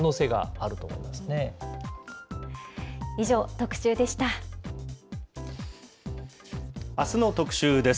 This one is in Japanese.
あすの特集です。